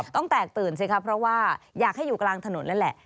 แตกตื่นสิครับเพราะว่าอยากให้อยู่กลางถนนนั่นแหละ